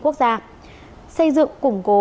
quốc gia xây dựng củng cố